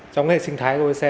trong hệ sinh thái gọi xe